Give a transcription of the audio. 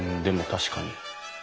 でも確かに。